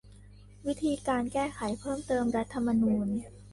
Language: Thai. วิธีการแก้ไขเพิ่มเติมรัฐธรรมนูญ